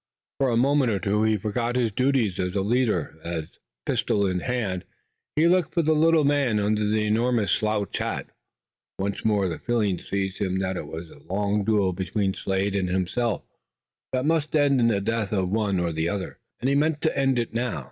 For a moment or two he forgot his duties as a leader as, pistol in hand, he looked for the little man under the enormous slouch hat. Once more the feeling seized him that it was a long duel between Slade and himself that must end in the death of one or the other, and he meant to end it now.